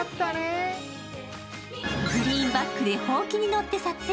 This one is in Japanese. グリーンバックで箒に乗って撮影。